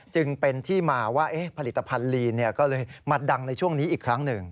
จึงเป็นที่มาว่าผลิตภัณฑ์ลีนก็เลยมาดังในช่วงนี้อีกครั้งหนึ่ง